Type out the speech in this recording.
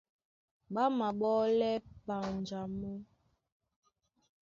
Ɓá máɓɔ́lɛ panja mɔ́.